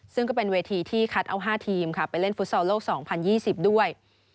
ซึ่งก็เป็นเวทีที่คัดเอา๕ทีมค่ะไปเล่นฟุตซอลโลก๒๐๒๐ด้วย